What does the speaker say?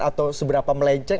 atau seberapa melenceng